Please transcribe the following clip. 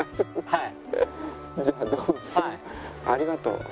はい。